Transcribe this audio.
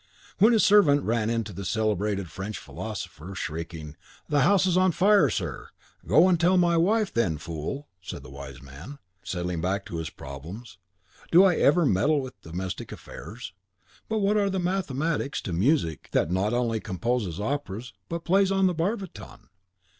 When his servant ran to the celebrated French philosopher, shrieking, "The house is on fire, sir!" "Go and tell my wife then, fool!" said the wise man, settling back to his problems; "do I ever meddle with domestic affairs?" But what are mathematics to music music, that not only composes operas, but plays on the barbiton?